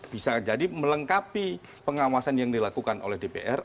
bisa jadi melengkapi pengawasan yang dilakukan oleh dpr